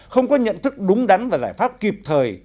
không có nhận thức đúng đắn và giải pháp kịp thời